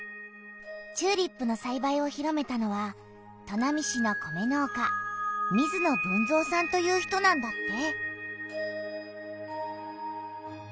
チューリップのさいばいを広めたのは砺波市の米農家水野豊造さんという人なんだって！